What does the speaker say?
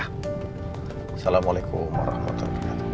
assalamualaikum warahmatullahi wabarakatuh